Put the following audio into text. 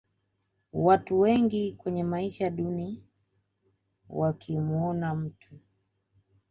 watu wengi wenye maisha duni wakimuona mtu